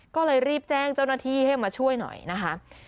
ก็เลยรีบแจ้งเจ้าหน้าที่ให้มาช่วยหน่อยนะคะ